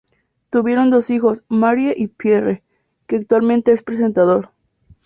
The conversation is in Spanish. Tuvieron dos hijos, Marie y Pierre, que actualmente es presentador.